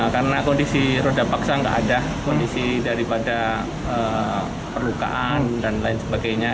karena kondisi roda paksa tidak ada kondisi daripada perlukaan dan lain sebagainya